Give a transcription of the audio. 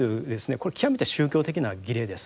これは極めて宗教的な儀礼です。